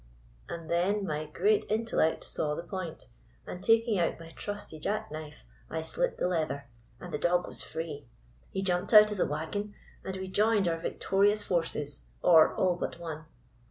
And then my great intellect saw the point, and, taking out my trusty jackknife, I slit the leather, and the dog was free! "He jumped out of the wagon, and we joined our victorious forces — or all but one."